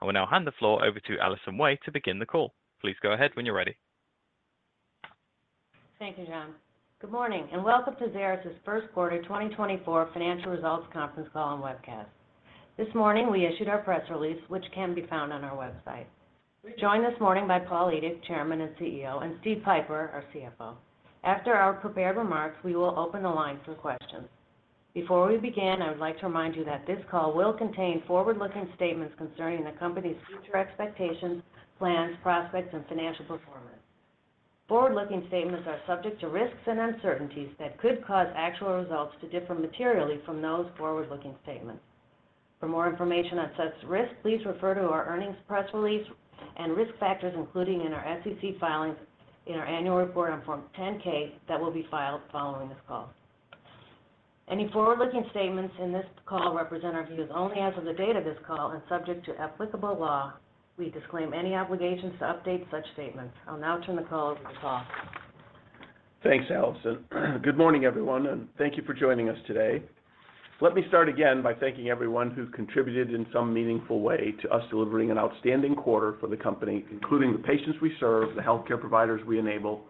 I will now hand the floor over to Allison Wey to begin the call. Please go ahead when you're ready. Thank you, John. Good morning, and welcome to Xeris's first quarter 2024 financial results conference call and webcast. This morning, we issued our press release, which can be found on our website. We're joined this morning by Paul Edick, Chairman and CEO, and Steve Pieper, our CFO. After our prepared remarks, we will open the line for questions. Before we begin, I would like to remind you that this call will contain forward-looking statements concerning the company's future expectations, plans, prospects, and financial performance. Forward-looking statements are subject to risks and uncertainties that could cause actual results to differ materially from those forward-looking statements. For more information on such risks, please refer to our earnings press release and risk factors, including in our SEC filings in our annual report on Form 10-K that will be filed following this call. Any forward-looking statements in this call represent our views only as of the date of this call, and subject to applicable law, we disclaim any obligations to update such statements. I'll now turn the call over to Paul. Thanks, Allison. Good morning, everyone, and thank you for joining us today. Let me start again by thanking everyone who's contributed in some meaningful way to us delivering an outstanding quarter for the company, including the patients we serve, the healthcare providers we enable,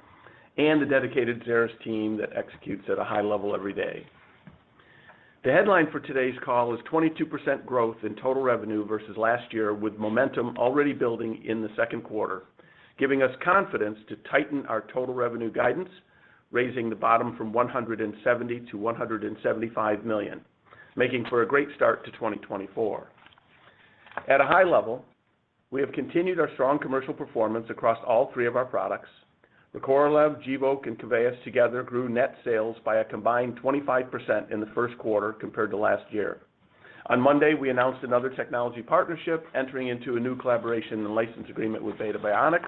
and the dedicated Xeris team that executes at a high level every day. The headline for today's call is 22% growth in total revenue versus last year, with momentum already building in the second quarter, giving us confidence to tighten our total revenue guidance, raising the bottom from $170 million to $175 million, making for a great start to 2024. At a high level, we have continued our strong commercial performance across all three of our products. Recorlev, Gvoke, and Keveyis together grew net sales by a combined 25% in the first quarter compared to last year. On Monday, we announced another technology partnership, entering into a new collaboration and license agreement with Beta Bionics.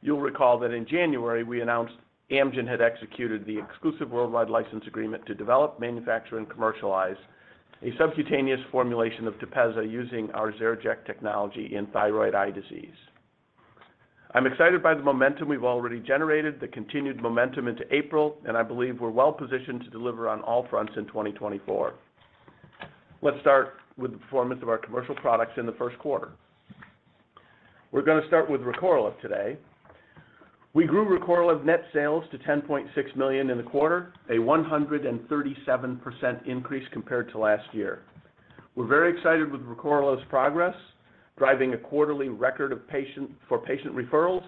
You'll recall that in January, we announced Amgen had executed the exclusive worldwide license agreement to develop, manufacture, and commercialize a subcutaneous formulation of Tepezza using our XeriJect technology in thyroid eye disease. I'm excited by the momentum we've already generated, the continued momentum into April, and I believe we're well-positioned to deliver on all fronts in 2024. Let's start with the performance of our commercial products in the first quarter. We're gonna start with Recorlev today. We grew Recorlev net sales to $10.6 million in the quarter, a 137% increase compared to last year. We're very excited with Recorlev's progress, driving a quarterly record of patient referrals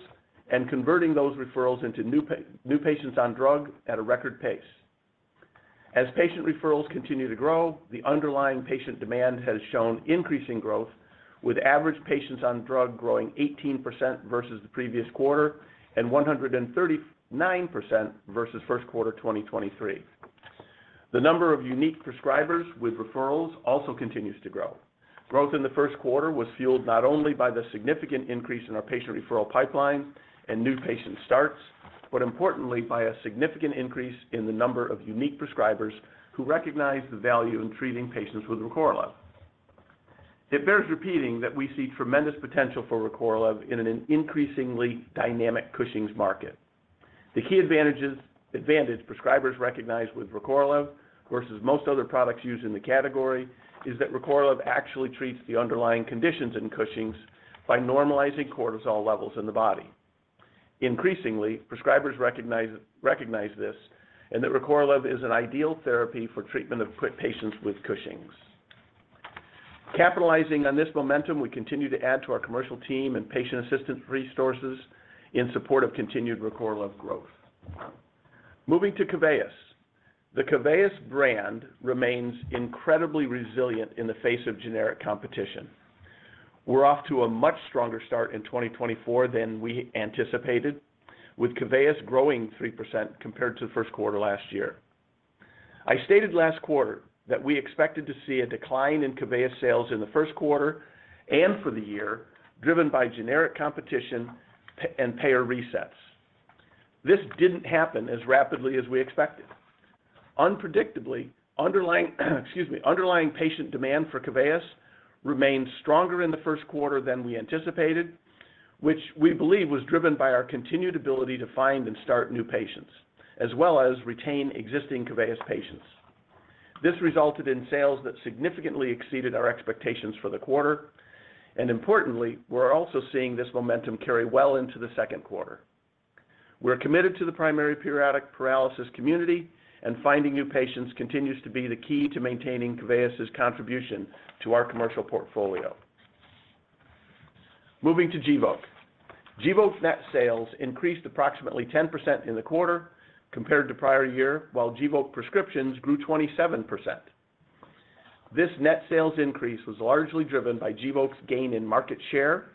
and converting those referrals into new patients on drug at a record pace. As patient referrals continue to grow, the underlying patient demand has shown increasing growth, with average patients on drug growing 18% versus the previous quarter and 139% versus first quarter 2023. The number of unique prescribers with referrals also continues to grow. Growth in the first quarter was fueled not only by the significant increase in our patient referral pipeline and new patient starts, but importantly, by a significant increase in the number of unique prescribers who recognize the value in treating patients with Recorlev. It bears repeating that we see tremendous potential for Recorlev in an increasingly dynamic Cushing's market. The key advantage prescribers recognize with Recorlev versus most other products used in the category is that Recorlev actually treats the underlying conditions in Cushing's by normalizing cortisol levels in the body. Increasingly, prescribers recognize this and that Recorlev is an ideal therapy for treatment of patients with Cushing's. Capitalizing on this momentum, we continue to add to our commercial team and patient assistance resources in support of continued Recorlev growth. Moving to Keveyis. The Keveyis brand remains incredibly resilient in the face of generic competition. We're off to a much stronger start in 2024 than we anticipated, with Keveyis growing 3% compared to the first quarter last year. I stated last quarter that we expected to see a decline in Keveyis sales in the first quarter and for the year, driven by generic competition and payer resets. This didn't happen as rapidly as we expected. Underlying, excuse me, underlying patient demand for Keveyis remained stronger in the first quarter than we anticipated, which we believe was driven by our continued ability to find and start new patients, as well as retain existing Keveyis patients. This resulted in sales that significantly exceeded our expectations for the quarter, and importantly, we're also seeing this momentum carry well into the second quarter. We're committed to the primary periodic paralysis community, and finding new patients continues to be the key to maintaining Keveyis's contribution to our commercial portfolio. Moving to Gvoke. Gvoke's net sales increased approximately 10% in the quarter compared to prior year, while Gvoke prescriptions grew 27%. This net sales increase was largely driven by Gvoke's gain in market share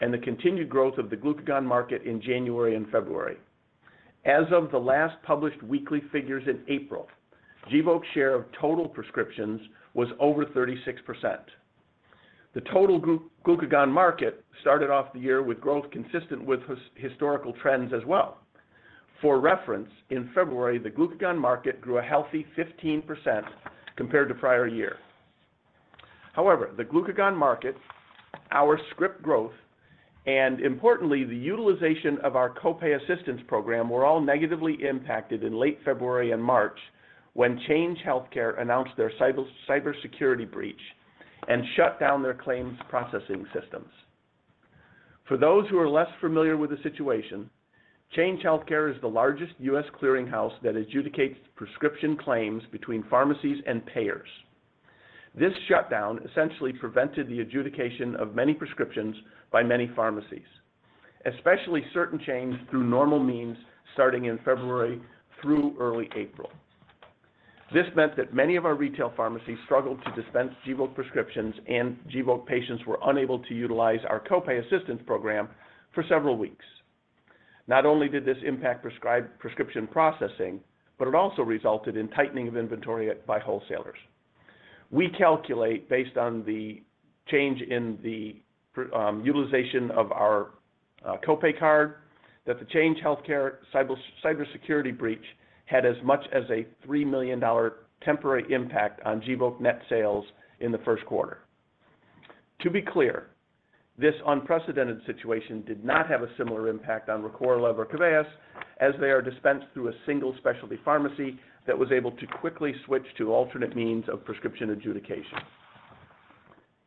and the continued growth of the glucagon market in January and February. As of the last published weekly figures in April, Gvoke's share of total prescriptions was over 36%. The total glucagon market started off the year with growth consistent with historical trends as well. For reference, in February, the glucagon market grew a healthy 15% compared to prior year. However, the glucagon market, our script growth, and importantly, the utilization of our copay assistance program were all negatively impacted in late February and March, when Change Healthcare announced their cybersecurity breach and shut down their claims processing systems. For those who are less familiar with the situation, Change Healthcare is the largest U.S. clearinghouse that adjudicates prescription claims between pharmacies and payers. This shutdown essentially prevented the adjudication of many prescriptions by many pharmacies, especially certain chains through normal means, starting in February through early April. This meant that many of our retail pharmacies struggled to dispense Gvoke prescriptions, and Gvoke patients were unable to utilize our copay assistance program for several weeks. Not only did this impact prescription processing, but it also resulted in tightening of inventory by wholesalers. We calculate, based on the change in the prior utilization of our copay card, that the Change Healthcare cybersecurity breach had as much as a $3 million temporary impact on Gvoke net sales in the first quarter. To be clear, this unprecedented situation did not have a similar impact on Recorlev or Keveyis, as they are dispensed through a single specialty pharmacy that was able to quickly switch to alternate means of prescription adjudication.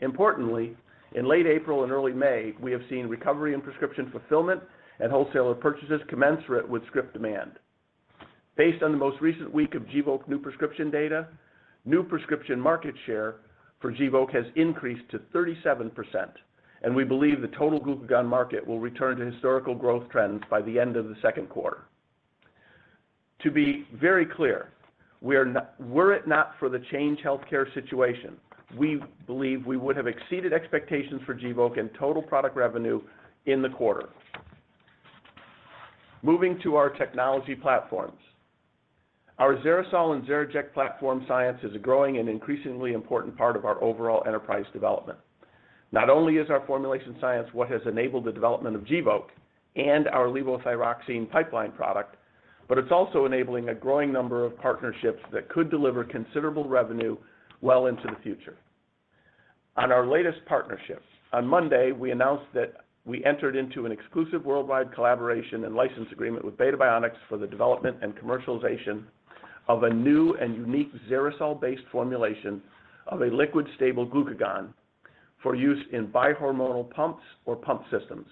Importantly, in late April and early May, we have seen recovery in prescription fulfillment and wholesaler purchases commensurate with script demand. Based on the most recent week of Gvoke new prescription data, new prescription market share for Gvoke has increased to 37%, and we believe the total glucagon market will return to historical growth trends by the end of the second quarter. To be very clear, were it not for the Change Healthcare situation, we believe we would have exceeded expectations for Gvoke and total product revenue in the quarter. Moving to our technology platforms. Our XeriSol and XeriJect platform science is a growing and increasingly important part of our overall enterprise development. Not only is our formulation science what has enabled the development of Gvoke and our levothyroxine pipeline product, but it's also enabling a growing number of partnerships that could deliver considerable revenue well into the future. On our latest partnership, on Monday, we announced that we entered into an exclusive worldwide collaboration and license agreement with Beta Bionics for the development and commercialization of a new and unique XeriSol-based formulation of a liquid stable glucagon for use in bihormonal pumps or pump systems.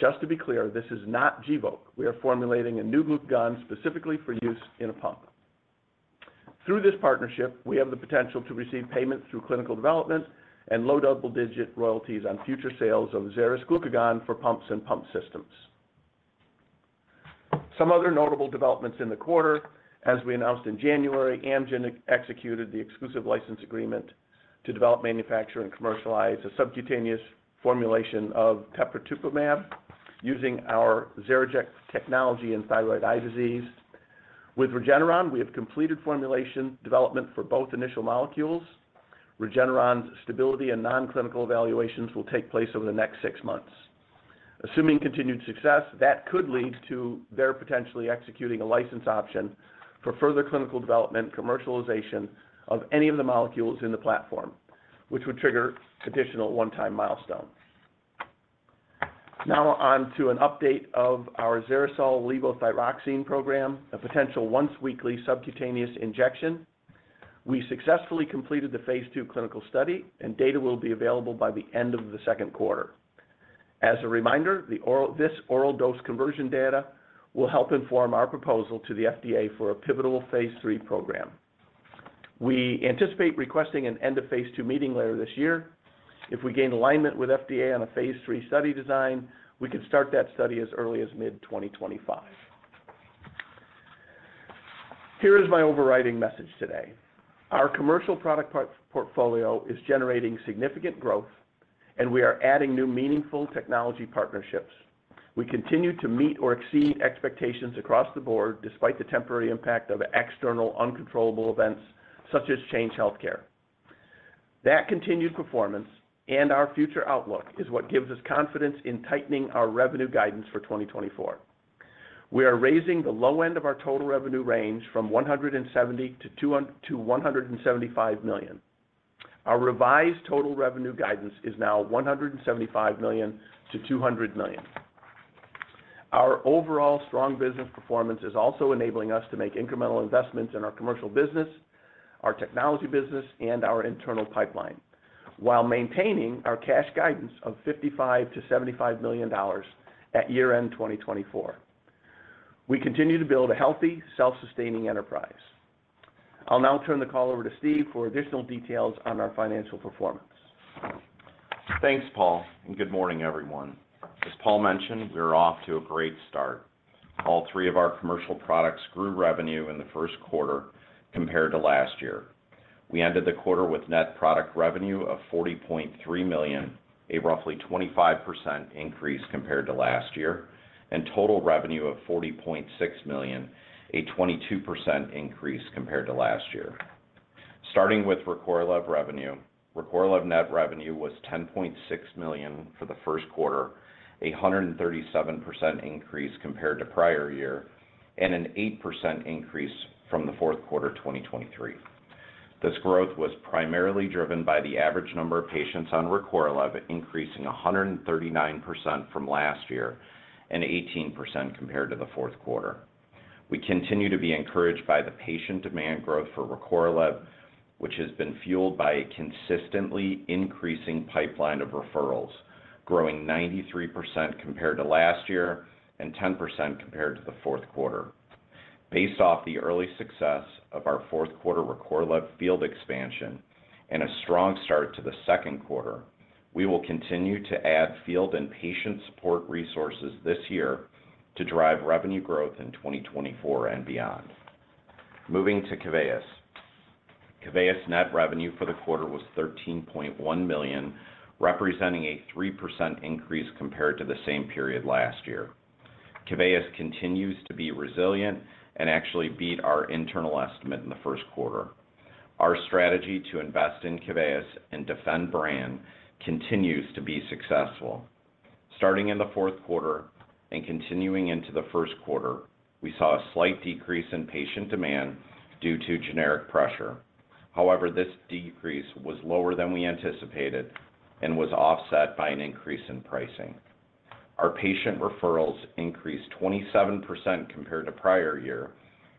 Just to be clear, this is not Gvoke. We are formulating a new glucagon specifically for use in a pump. Through this partnership, we have the potential to receive payments through clinical development and low double-digit royalties on future sales of XeriSol glucagon for pumps and pump systems. Some other notable developments in the quarter: as we announced in January, Amgen executed the exclusive license agreement to develop, manufacture, and commercialize a subcutaneous formulation of teprotumumab using our XeriJect technology in thyroid eye disease. With Regeneron, we have completed formulation development for both initial molecules. Regeneron's stability and non-clinical evaluations will take place over the next six months. Assuming continued success, that could lead to their potentially executing a license option for further clinical development, commercialization of any of the molecules in the platform, which would trigger additional one-time milestones. Now on to an update of our XeriSol levothyroxine program, a potential once-weekly subcutaneous injection. We successfully completed the Phase II clinical study, and data will be available by the end of the second quarter. As a reminder, the oral dose conversion data will help inform our proposal to the FDA for a pivotal Phase III program. We anticipate requesting an end of Phase II meeting later this year. If we gain alignment with FDA on a Phase III study design, we could start that study as early as mid-2025. Here is my overriding message today: Our commercial product portfolio is generating significant growth, and we are adding new meaningful technology partnerships. We continue to meet or exceed expectations across the board, despite the temporary impact of external, uncontrollable events, such as Change Healthcare. That continued performance and our future outlook is what gives us confidence in tightening our revenue guidance for 2024. We are raising the low end of our total revenue range from $170 million to $175 million. Our revised total revenue guidance is now $175 million to $200 million. Our overall strong business performance is also enabling us to make incremental investments in our commercial business, our technology business, and our internal pipeline, while maintaining our cash guidance of $55 million to $75 million at year-end 2024. We continue to build a healthy, self-sustaining enterprise. I'll now turn the call over to Steve for additional details on our financial performance. Thanks, Paul, and good morning, everyone. As Paul mentioned, we're off to a great start. All three of our commercial products grew revenue in the first quarter compared to last year. We ended the quarter with net product revenue of $40.3 million, a roughly 25% increase compared to last year, and total revenue of $40.6 million, a 22% increase compared to last year. Starting with Recorlev revenue, Recorlev net revenue was $10.6 million for the first quarter, a 137% increase compared to prior year, and an 8% increase from the fourth quarter 2023. This growth was primarily driven by the average number of patients on Recorlev, increasing a 139% from last year and 18% compared to the fourth quarter. We continue to be encouraged by the patient demand growth for Recorlev, which has been fueled by a consistently increasing pipeline of referrals, growing 93% compared to last year and 10% compared to the fourth quarter. Based off the early success of our fourth quarter Recorlev field expansion and a strong start to the second quarter, we will continue to add field and patient support resources this year to drive revenue growth in 2024 and beyond. Moving to Keveyis. Keveyis net revenue for the quarter was $13.1 million, representing a 3% increase compared to the same period last year. Keveyis continues to be resilient and actually beat our internal estimate in the first quarter. Our strategy to invest in Keveyis and defend brand continues to be successful. Starting in the fourth quarter and continuing into the first quarter, we saw a slight decrease in patient demand due to generic pressure. However, this decrease was lower than we anticipated and was offset by an increase in pricing. Our patient referrals increased 27% compared to prior year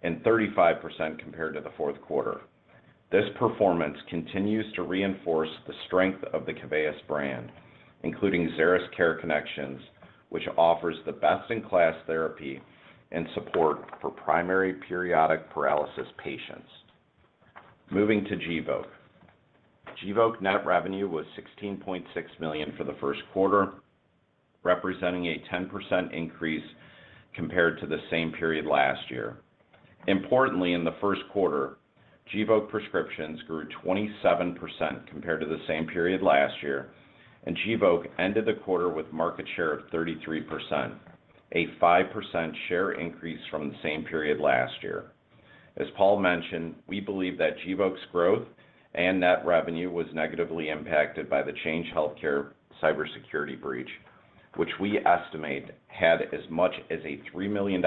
and 35% compared to the fourth quarter. This performance continues to reinforce the strength of the Keveyis brand, including Xeris Care Connections, which offers the best-in-class therapy and support for primary periodic paralysis patients. Moving to Gvoke. Gvoke net revenue was $16.6 million for the first quarter, representing a 10% increase compared to the same period last year. Importantly, in the first quarter, Gvoke prescriptions grew 27% compared to the same period last year, and Gvoke ended the quarter with market share of 33%, a 5% share increase from the same period last year. As Paul mentioned, we believe that Gvoke's growth and net revenue was negatively impacted by the Change Healthcare cybersecurity breach, which we estimate had as much as a $3 million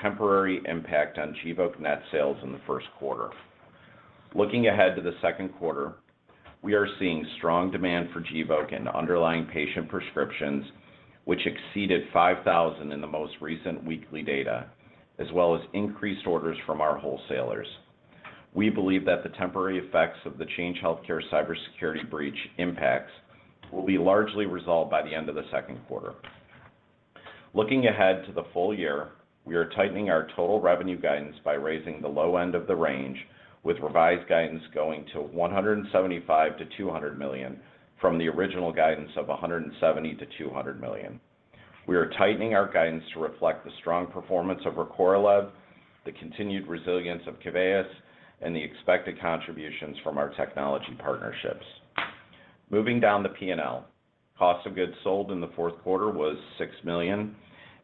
temporary impact on Gvoke net sales in the first quarter. Looking ahead to the second quarter, we are seeing strong demand for Gvoke in underlying patient prescriptions, which exceeded 5,000 in the most recent weekly data, as well as increased orders from our wholesalers. We believe that the temporary effects of the Change Healthcare cybersecurity breach impacts will be largely resolved by the end of the second quarter. Looking ahead to the full year, we are tightening our total revenue guidance by raising the low end of the range, with revised guidance going to $175 million to $200 million from the original guidance of $170 million to $200 million. We are tightening our guidance to reflect the strong performance of Recorlev, the continued resilience of Keveyis, and the expected contributions from our technology partnerships. Moving down the P&L. Cost of goods sold in the fourth quarter was $6 million,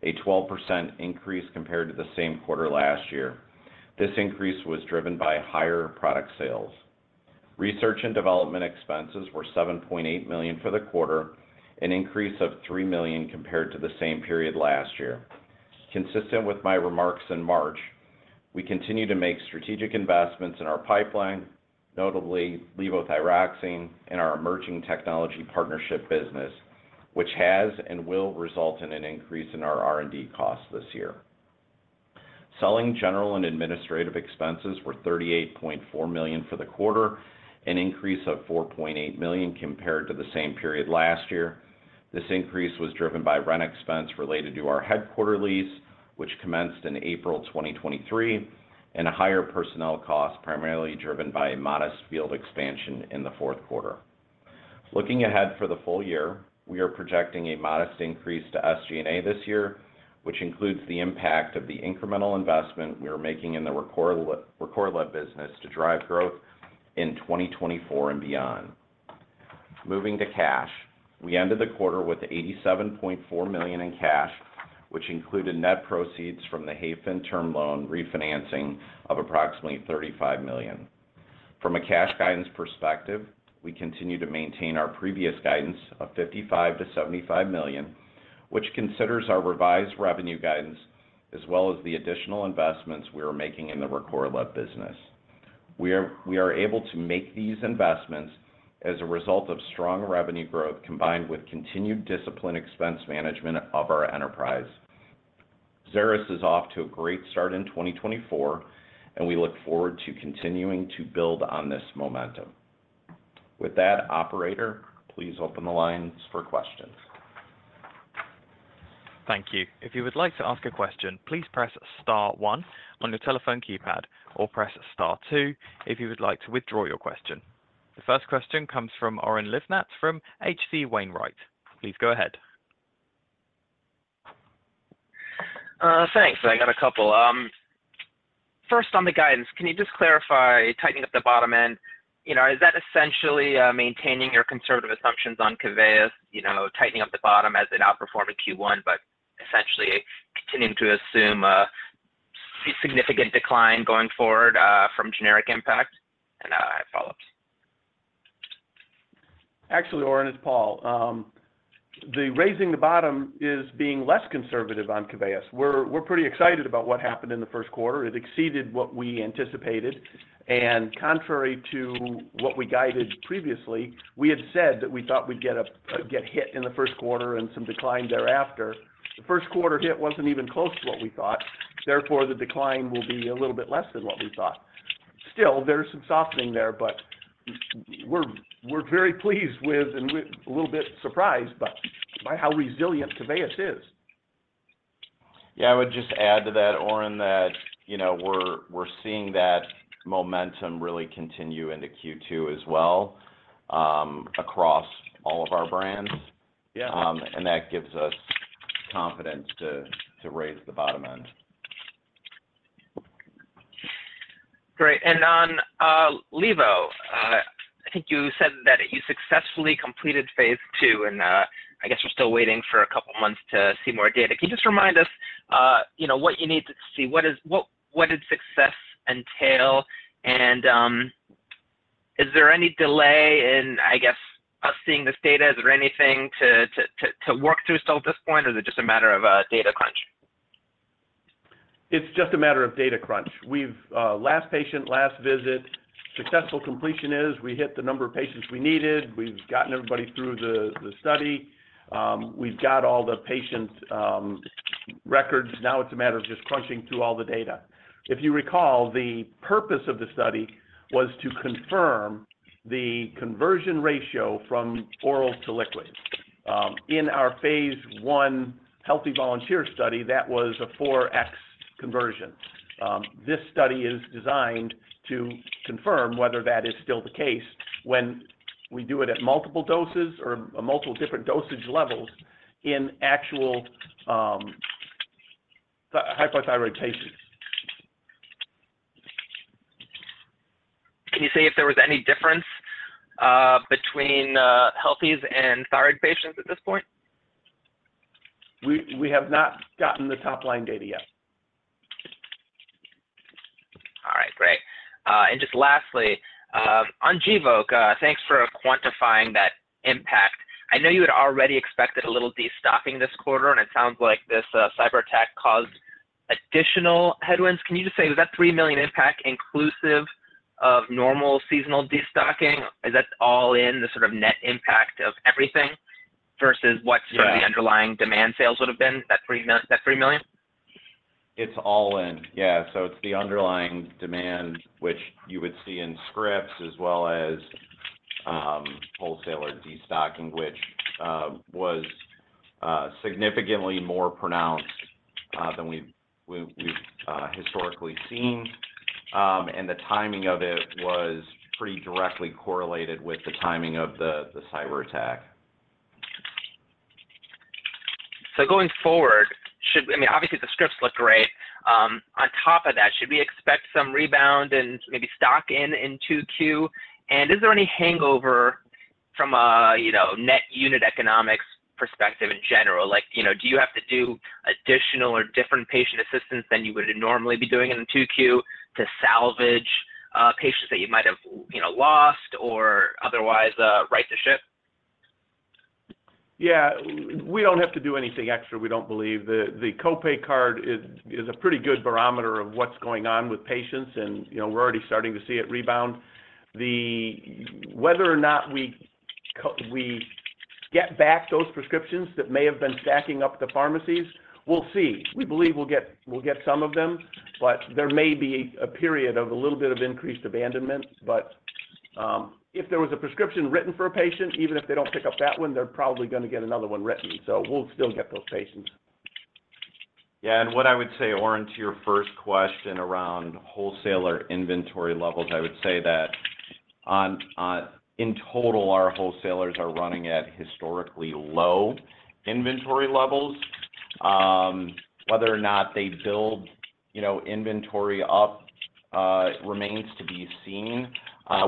a 12% increase compared to the same quarter last year. This increase was driven by higher product sales. Research and development expenses were $7.8 million for the quarter, an increase of $3 million compared to the same period last year. Consistent with my remarks in March, we continue to make strategic investments in our pipeline, notably levothyroxine and our emerging technology partnership business, which has and will result in an increase in our R&D costs this year. Selling general and administrative expenses were $38.4 million for the quarter, an increase of $4.8 million compared to the same period last year. This increase was driven by rent expense related to our headquarters lease, which commenced in April 2023, and a higher personnel cost, primarily driven by a modest field expansion in the fourth quarter. Looking ahead for the full year, we are projecting a modest increase to SG&A this year, which includes the impact of the incremental investment we are making in the Recorlev, Recorlev business to drive growth in 2024 and beyond. Moving to cash. We ended the quarter with $87.4 million in cash, which included net proceeds from the Hayfin term loan refinancing of approximately $35 million. From a cash guidance perspective, we continue to maintain our previous guidance of $55 million to $75 million, which considers our revised revenue guidance, as well as the additional investments we are making in the Recorlev business. We are able to make these investments as a result of strong revenue growth, combined with continued disciplined expense management of our enterprise. Xeris is off to a great start in 2024, and we look forward to continuing to build on this momentum. With that, operator, please open the lines for questions. Thank you. If you would like to ask a question, please press star one on your telephone keypad, or press star two if you would like to withdraw your question. The first question comes from Oren Livnat from H.C. Wainwright. Please go ahead. Thanks. I got a couple. First, on the guidance, can you just clarify, tightening up the bottom end, you know, is that essentially maintaining your conservative assumptions on Keveyis? You know, tightening up the bottom as it outperforming Q1, but essentially continuing to assume a significant decline going forward from generic impact? And I have follow-ups.... Actually, Oren, it's Paul. The raising the bottom is being less conservative on Keveyis. We're, we're pretty excited about what happened in the first quarter. It exceeded what we anticipated, and contrary to what we guided previously, we had said that we thought we'd get a get hit in the first quarter and some decline thereafter. The first quarter hit wasn't even close to what we thought, therefore, the decline will be a little bit less than what we thought. Still, there's some softening there, but we're, we're very pleased with, and we're a little bit surprised by how resilient Keveyis is. Yeah, I would just add to that, Oren, that, you know, we're seeing that momentum really continue into Q2 as well, across all of our brands. Yeah. That gives us confidence to raise the bottom end. Great. And on Levo, I think you said that you successfully completed Phase II, and I guess you're still waiting for a couple of months to see more data. Can you just remind us, you know, what you need to see? What is-- what, what did success entail, and is there any delay in, I guess, us seeing this data? Is there anything to work through still at this point, or is it just a matter of a data crunch? It's just a matter of data crunch. We've last patient, last visit, successful completion is we hit the number of patients we needed. We've gotten everybody through the study. We've got all the patient records. Now, it's a matter of just crunching through all the data. If you recall, the purpose of the study was to confirm the conversion ratio from oral to liquid. In our Phase I healthy volunteer study, that was a 4X conversion. This study is designed to confirm whether that is still the case when we do it at multiple doses or multiple different dosage levels in actual hypothyroid patients. Can you say if there was any difference between healthies and thyroid patients at this point? We have not gotten the top-line data yet. All right, great. And just lastly, on Gvoke, thanks for quantifying that impact. I know you had already expected a little destocking this quarter, and it sounds like this cyberattack caused additional headwinds. Can you just say, was that $3 million impact inclusive of normal seasonal destocking? Is that all in the sort of net impact of everything versus what- Yeah - sort of the underlying demand sales would have been, that $3 million? It's all in. Yeah, so it's the underlying demand, which you would see in scripts as well as, wholesaler destocking, which, was significantly more pronounced, than we've historically seen. And the timing of it was pretty directly correlated with the timing of the, the cyberattack. So going forward, should... I mean, obviously, the scripts look great. On top of that, should we expect some rebound and maybe stock in in Q2? And is there any hangover from a, you know, net unit economics perspective in general? Like, you know, do you have to do additional or different patient assistance than you would normally be doing in the Q2 to salvage patients that you might have, you know, lost or otherwise right to ship? Yeah. We don't have to do anything extra, we don't believe. The co-pay card is a pretty good barometer of what's going on with patients, and, you know, we're already starting to see it rebound. Whether or not we get back those prescriptions that may have been stacking up at the pharmacies, we'll see. We believe we'll get some of them, but there may be a period of a little bit of increased abandonment. But if there was a prescription written for a patient, even if they don't pick up that one, they're probably gonna get another one written, so we'll still get those patients. Yeah, and what I would say, Oren, to your first question around wholesaler inventory levels, I would say that on, in total, our wholesalers are running at historically low inventory levels. Whether or not they build, you know, inventory up, remains to be seen. Mm-hmm.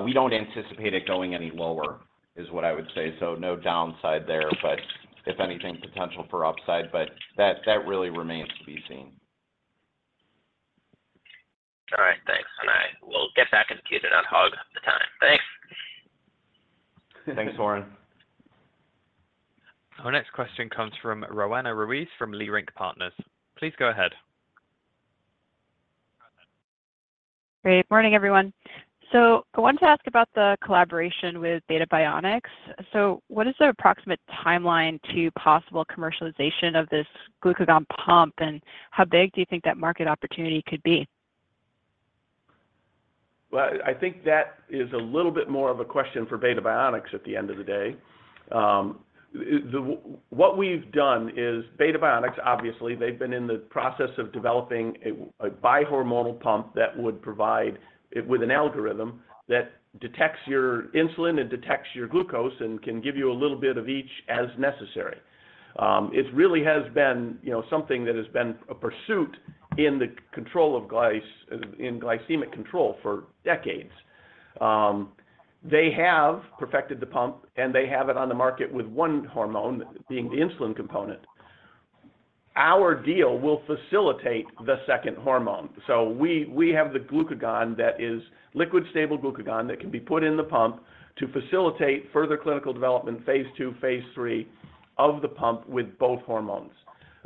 We don't anticipate it going any lower, is what I would say. No downside there, but if anything, potential for upside. That really remains to be seen. All right, thanks. I will get back in queue and not hog the time. Thanks. Thanks, Oren. Our next question comes from Roanna Ruiz, from Leerink Partners. Please go ahead. Great morning, everyone. So I wanted to ask about the collaboration with Beta Bionics. So what is the approximate timeline to possible commercialization of this glucagon pump? And how big do you think that market opportunity could be? Well, I think that is a little bit more of a question for Beta Bionics at the end of the day. What we've done is Beta Bionics, obviously, they've been in the process of developing a bihormonal pump that would provide it with an algorithm that detects your insulin and detects your glucose and can give you a little bit of each as necessary. It really has been, you know, something that has been a pursuit in the control of glycemic control for decades. They have perfected the pump, and they have it on the market with one hormone, being the insulin component. Our deal will facilitate the second hormone. So we have the glucagon that is liquid stable glucagon that can be put in the pump to facilitate further clinical development, Phase II, Phase III of the pump with both hormones.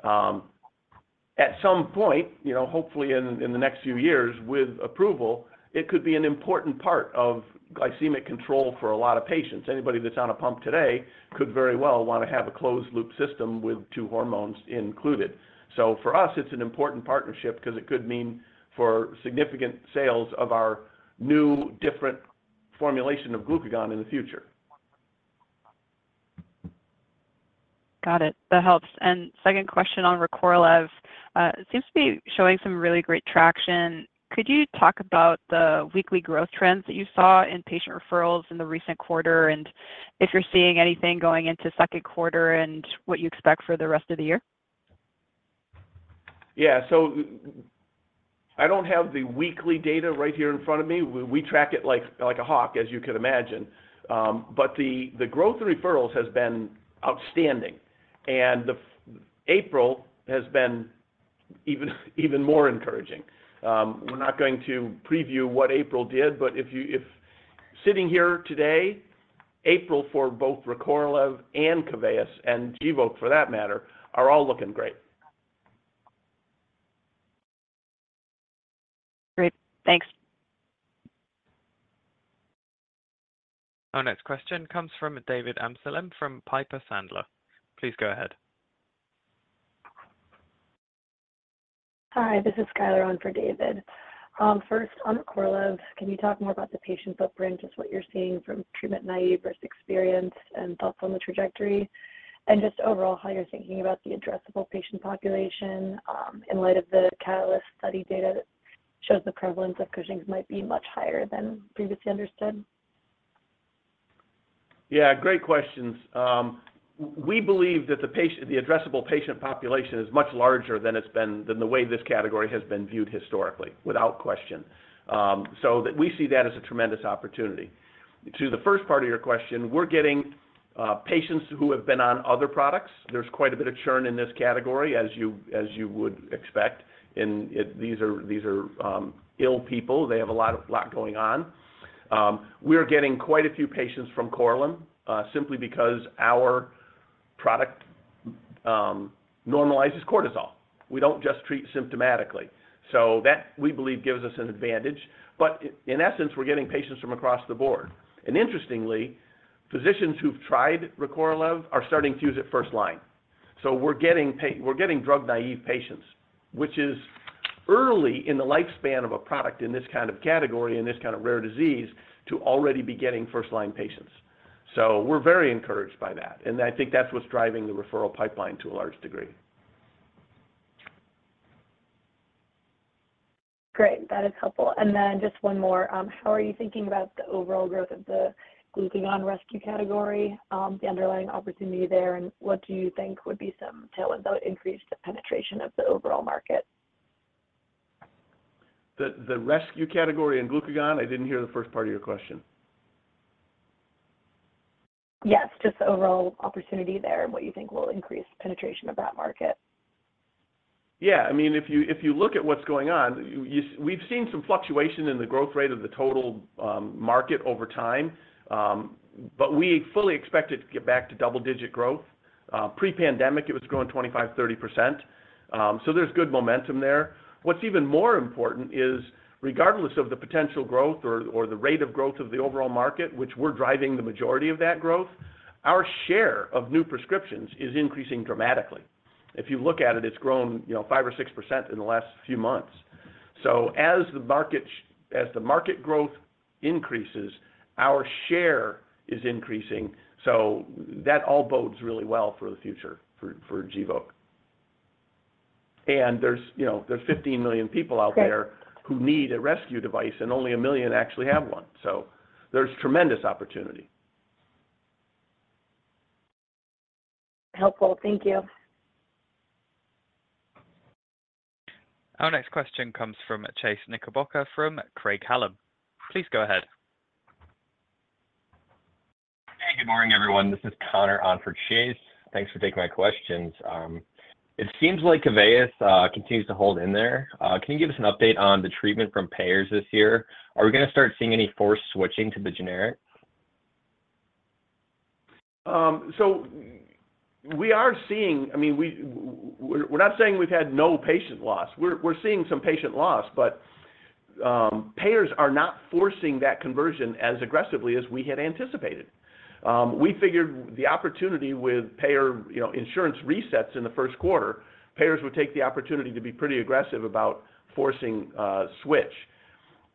At some point, you know, hopefully in the next few years with approval, it could be an important part of glycemic control for a lot of patients. Anybody that's on a pump today, could very well want to have a closed loop system with two hormones included. So for us, it's an important partnership because it could mean for significant sales of our new different formulation of glucagon in the future. Got it. That helps. Second question on Recorlev. It seems to be showing some really great traction. Could you talk about the weekly growth trends that you saw in patient referrals in the recent quarter, and if you're seeing anything going into second quarter and what you expect for the rest of the year? Yeah. So I don't have the weekly data right here in front of me. We track it like a hawk, as you can imagine. But the growth in referrals has been outstanding, and April has been even more encouraging. We're not going to preview what April did, but if sitting here today, April for both Recorlev and Keveyis and Gvoke, for that matter, are all looking great. Great. Thanks. Our next question comes from David Amsellem from Piper Sandler. Please go ahead. Hi, this is Skyler on for David. First, on Recorlev, can you talk more about the patient footprint, just what you're seeing from treatment naive versus experienced, and thoughts on the trajectory? Just overall, how you're thinking about the addressable patient population, in light of the Catalyst study data that shows the prevalence of Cushing's might be much higher than previously understood? Yeah, great questions. We believe that the patient, the addressable patient population is much larger than it's been, than the way this category has been viewed historically, without question. So that we see that as a tremendous opportunity. To the first part of your question, we're getting patients who have been on other products. There's quite a bit of churn in this category, as you would expect, and these are ill people. They have a lot going on. We are getting quite a few patients from Korlym, simply because our product normalizes cortisol. We don't just treat symptomatically, so that, we believe, gives us an advantage. But in essence, we're getting patients from across the board. And interestingly, physicians who've tried Recorlev are starting to use it first line. So we're getting drug-naive patients, which is early in the lifespan of a product in this kind of category, in this kind of rare disease, to already be getting first-line patients. So we're very encouraged by that, and I think that's what's driving the referral pipeline to a large degree. Great. That is helpful. Then just one more. How are you thinking about the overall growth of the glucagon rescue category, the underlying opportunity there, and what do you think would be some tailwind that increase the penetration of the overall market? The rescue category in glucagon? I didn't hear the first part of your question. Yes, just the overall opportunity there and what you think will increase penetration of that market. Yeah. I mean, if you look at what's going on, we've seen some fluctuation in the growth rate of the total market over time, but we fully expect it to get back to double-digit growth. Pre-pandemic, it was growing 25% to 30%, so there's good momentum there. What's even more important is, regardless of the potential growth or the rate of growth of the overall market, which we're driving the majority of that growth, our share of new prescriptions is increasing dramatically. If you look at it, it's grown, you know, 5%-6% in the last few months. So as the market growth increases, our share is increasing, so that all bodes really well for the future, for Gvoke. And there's, you know, there's 15 million people out there- Great ... who need a rescue device, and only 1 million actually have one. So there's tremendous opportunity. Helpful. Thank you. Our next question comes from Chase Knickerbocker from Craig-Hallum. Please go ahead. Hey, good morning, everyone. This is Connor on for Chase. Thanks for taking my questions. It seems like Keveyis continues to hold in there. Can you give us an update on the treatment from payers this year? Are we gonna start seeing any forced switching to the generic? So we are seeing. I mean, we're not saying we've had no patient loss. We're seeing some patient loss, but payers are not forcing that conversion as aggressively as we had anticipated. We figured the opportunity with payer, you know, insurance resets in the first quarter, payers would take the opportunity to be pretty aggressive about forcing a switch.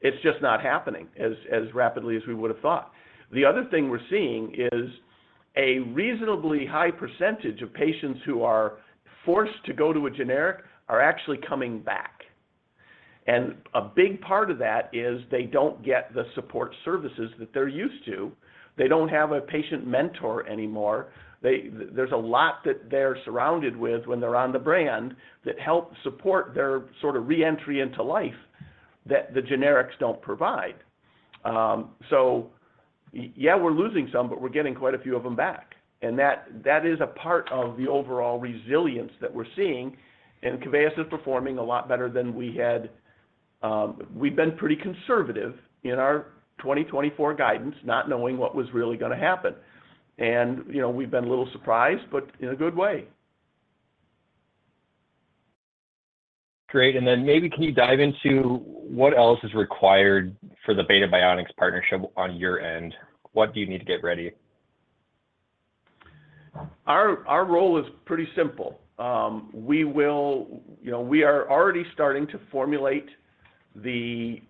It's just not happening as rapidly as we would have thought. The other thing we're seeing is a reasonably high percentage of patients who are forced to go to a generic are actually coming back. A big part of that is they don't get the support services that they're used to. They don't have a patient mentor anymore. There's a lot that they're surrounded with when they're on the brand that help support their sort of re-entry into life that the generics don't provide. Yeah, we're losing some, but we're getting quite a few of them back. And that is a part of the overall resilience that we're seeing, and Keveyis is performing a lot better than we had. We've been pretty conservative in our 2024 guidance, not knowing what was really gonna happen. And, you know, we've been a little surprised, but in a good way. Great. And then maybe, can you dive into what else is required for the Beta Bionics partnership on your end? What do you need to get ready? Our role is pretty simple. You know, we are already starting to formulate the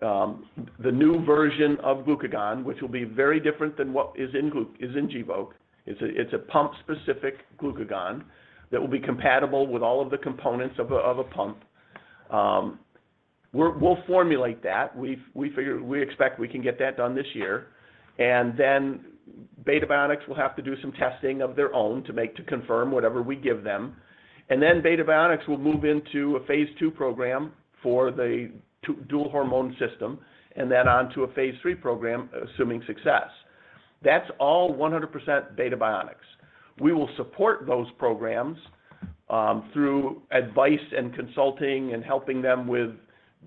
new version of glucagon, which will be very different than what is in Gvoke. It's a pump-specific glucagon that will be compatible with all of the components of a pump. We'll formulate that. We expect we can get that done this year, and then Beta Bionics will have to do some testing of their own to confirm whatever we give them. And then Beta Bionics will move into a Phase II program for the dual hormone system, and then onto a Phase III program, assuming success. That's all 100% Beta Bionics. We will support those programs through advice and consulting, and helping them with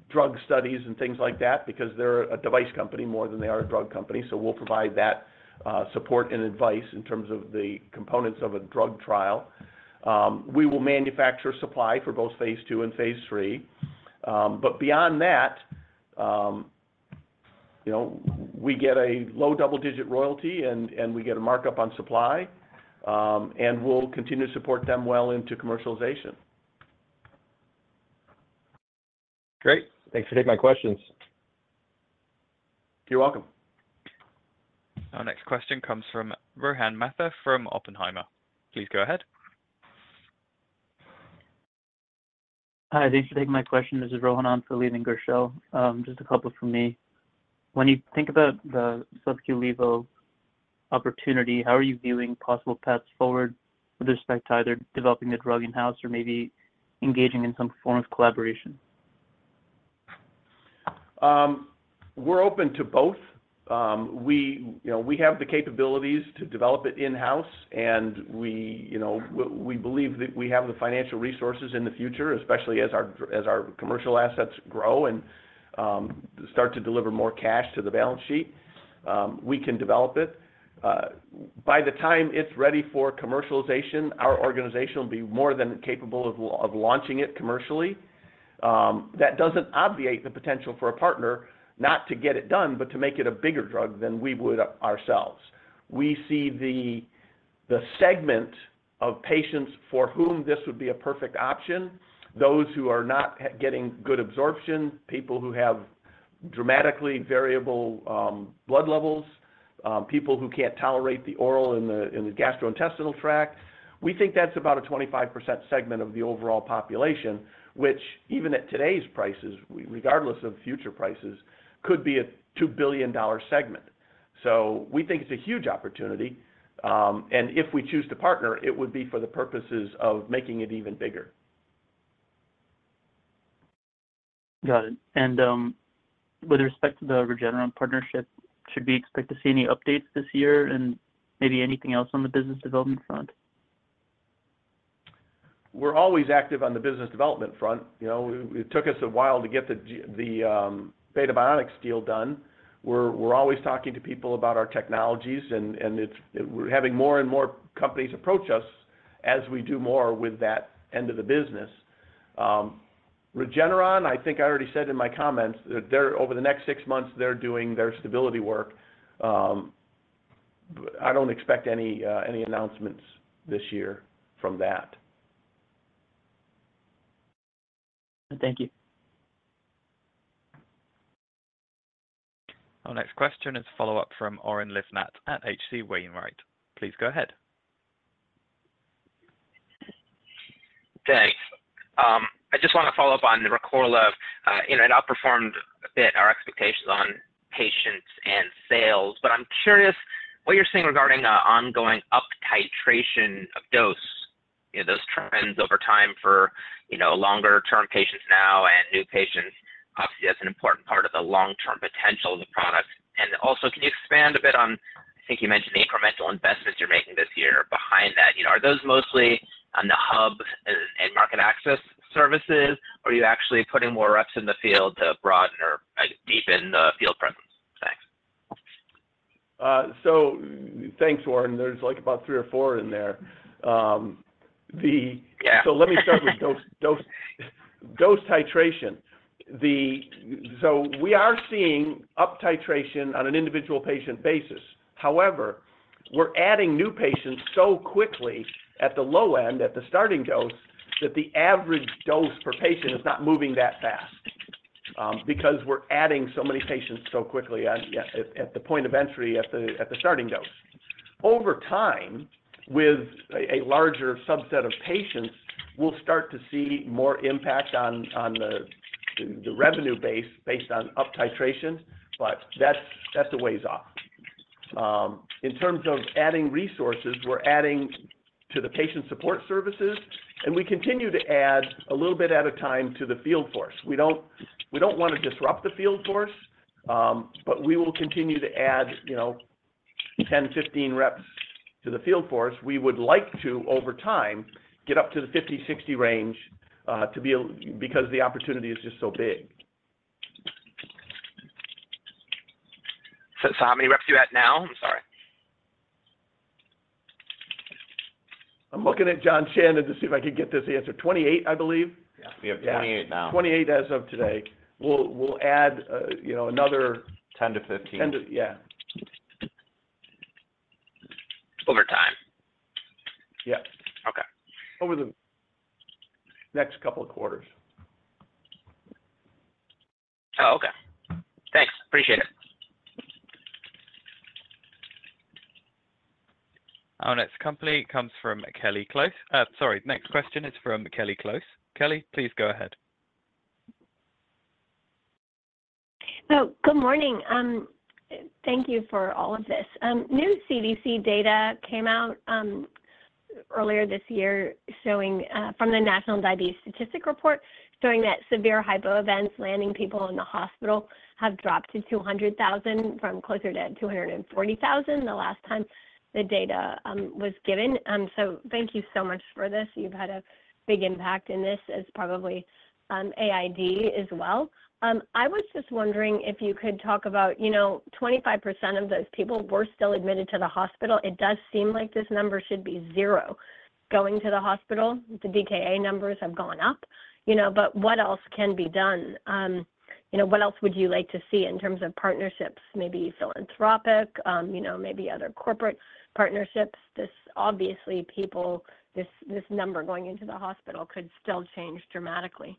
drug studies and things like that, because they're a device company more than they are a drug company. So we'll provide that support and advice in terms of the components of a drug trial. We will manufacture supply for both Phase II and Phase III. But beyond that, you know, we get a low double-digit royalty and we get a markup on supply, and we'll continue to support them well into commercialization. Great. Thanks for taking my questions. You're welcome. Our next question comes from Rohan Mathur from Oppenheimer. Please go ahead. Hi, thanks for taking my question. This is Rohan on for Leland Gershell. Just a couple from me. When you think about the subcu levo opportunity, how are you viewing possible paths forward with respect to either developing the drug in-house or maybe engaging in some form of collaboration? We're open to both. We, you know, we have the capabilities to develop it in-house, and we, you know, we believe that we have the financial resources in the future, especially as our, as our commercial assets grow and start to deliver more cash to the balance sheet. We can develop it. By the time it's ready for commercialization, our organization will be more than capable of launching it commercially. That doesn't obviate the potential for a partner not to get it done, but to make it a bigger drug than we would ourselves. We see the segment of patients for whom this would be a perfect option, those who are not getting good absorption, people who have dramatically variable blood levels, people who can't tolerate the oral in the gastrointestinal tract. We think that's about a 25% segment of the overall population, which even at today's prices, regardless of future prices, could be a $2 billion segment. So we think it's a huge opportunity, and if we choose to partner, it would be for the purposes of making it even bigger. Got it. With respect to the Regeneron partnership, should we expect to see any updates this year and maybe anything else on the business development front? We're always active on the business development front. You know, it took us a while to get the Beta Bionics deal done. We're always talking to people about our technologies and we're having more and more companies approach us as we do more with that end of the business. Regeneron, I think I already said in my comments, that they're over the next six months, they're doing their stability work. I don't expect any announcements this year from that. Thank you. Our next question is a follow-up from Oren Livnat at H.C. Wainwright. Please go ahead. Thanks. I just want to follow up on the Recorlev. It outperformed a bit our expectations on patients and sales, but I'm curious what you're seeing regarding the ongoing uptitration of dose, you know, those trends over time for, you know, longer-term patients now and new patients. Obviously, that's an important part of the long-term potential of the product. And also, can you expand a bit on, I think you mentioned the incremental investments you're making this year behind that? You know, are those mostly on the hub and market access services, or are you actually putting more reps in the field to broaden or, I guess, deepen the field presence? Thanks. So thanks, Oren. There's, like, about three or four in there. Yeah. So let me start with dose, dose, dose titration. So we are seeing uptitration on an individual patient basis. However, we're adding new patients so quickly at the low end, at the starting dose, that the average dose per patient is not moving that fast, because we're adding so many patients so quickly at the point of entry, at the starting dose. Over time, with a larger subset of patients, we'll start to see more impact on the revenue base based on uptitration, but that's a ways off. In terms of adding resources, we're adding to the patient support services, and we continue to add a little bit at a time to the field force. We don't want to disrupt the field force, but we will continue to add, you know, 10, 15 reps to the field force. We would like to, over time, get up to the 50, 60 range, to be able, because the opportunity is just so big. So, how many reps are you at now? I'm sorry. I'm looking at John Shannon to see if I can get this answer. 28, I believe. Yeah, we have 28 now. 28 as of today. We'll add, you know, another- 10-15. 10 to... Yeah. Over time? Yep. Okay. Over the next couple of quarters. Oh, okay. Thanks. Appreciate it. Our next company comes from Kelly Close. Sorry, next question is from Kelly Close. Kelly, please go ahead. Good morning. Thank you for all of this. New CDC data came out earlier this year, showing from the National Diabetes Statistics Report, showing that severe hypo events landing people in the hospital have dropped to 200,000 from closer to 240,000 the last time the data was given. So thank you so much for this. You've had a big impact in this as probably AID as well. I was just wondering if you could talk about, you know, 25% of those people were still admitted to the hospital. It does seem like this number should be 0, going to the hospital. The DKA numbers have gone up, you know, but what else can be done? You know, what else would you like to see in terms of partnerships, maybe philanthropic, you know, maybe other corporate partnerships? This obviously, people, this number going into the hospital could still change dramatically.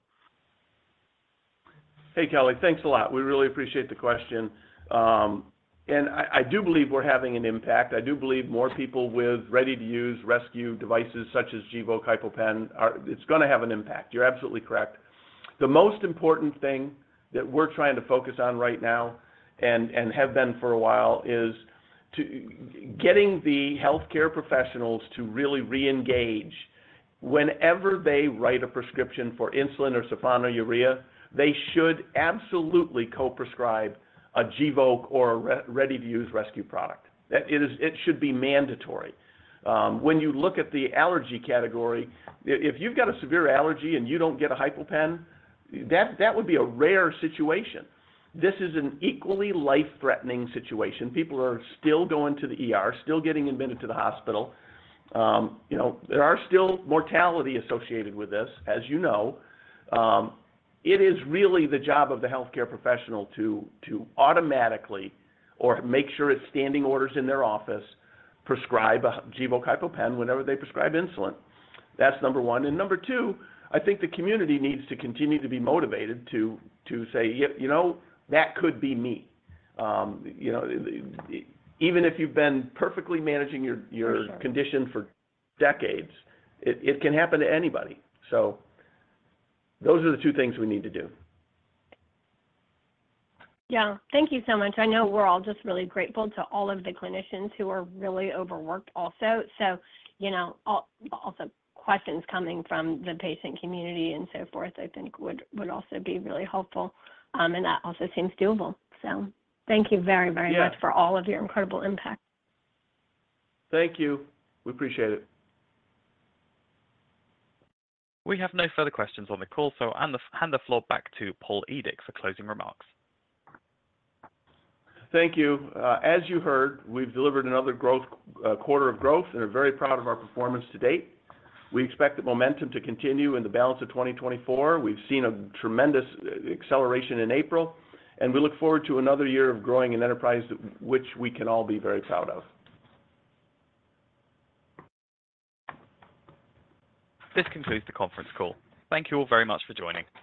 Hey, Kelly. Thanks a lot. We really appreciate the question. And I do believe we're having an impact. I do believe more people with ready-to-use rescue devices such as Gvoke HypoPen. It's gonna have an impact. You're absolutely correct. The most important thing that we're trying to focus on right now, and have been for a while, is to getting the healthcare professionals to really reengage. Whenever they write a prescription for insulin or sulfonylurea, they should absolutely co-prescribe a Gvoke or a ready-to-use rescue product. That is, it should be mandatory. When you look at the allergy category, if you've got a severe allergy and you don't get a HypoPen, that would be a rare situation. This is an equally life-threatening situation. People are still going to the ER, still getting admitted to the hospital. You know, there are still mortality associated with this, as you know. It is really the job of the healthcare professional to automatically or make sure it's standing orders in their office, prescribe a Gvoke HypoPen whenever they prescribe insulin. That's number one. And number two, I think the community needs to continue to be motivated to say, "Yep, you know, that could be me." You know, even if you've been perfectly managing your condition for decades, it can happen to anybody. So those are the two things we need to do. Yeah. Thank you so much. I know we're all just really grateful to all of the clinicians who are really overworked also. So, you know, also questions coming from the patient community and so forth, I think would also be really helpful, and that also seems doable. So thank you very, very much- Yeah for all of your incredible impact. Thank you. We appreciate it. We have no further questions on the call, so I'll hand the floor back to Paul Edick for closing remarks. Thank you. As you heard, we've delivered another growth, quarter of growth and are very proud of our performance to date. We expect the momentum to continue in the balance of 2024. We've seen a tremendous acceleration in April, and we look forward to another year of growing an enterprise which we can all be very proud of. This concludes the conference call. Thank you all very much for joining.